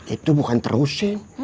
itu bukan terusin